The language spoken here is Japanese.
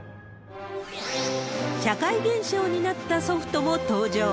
社会現象になったソフトも登場。